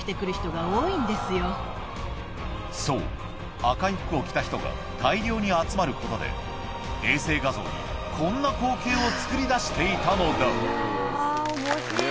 そう赤い服を着た人が大量に集まることで衛星画像にこんな光景を作り出していたのだ面白い！